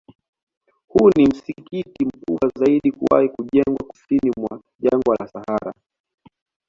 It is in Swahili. Huu ni msikiti mkubwa zaidi kuwahi kujengwa Kusini mwa Jangwa la Sahara